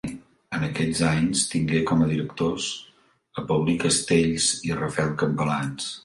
En aquests anys, tingué com a directors a Paulí Castells i a Rafael Campalans.